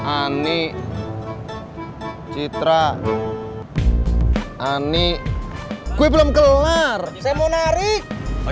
ani citra ani kue belum kelar saya mau narik